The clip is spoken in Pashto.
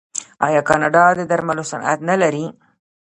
آیا کاناډا د درملو صنعت نلري؟